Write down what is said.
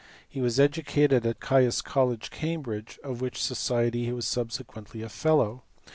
He was educated at Caius College, Cam bridge, of which society he was subsequently a fellow.